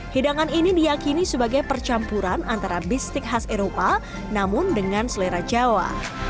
hidangan ini diakini sebagai percampuran antara bistik khas eropa namun dengan selera jawa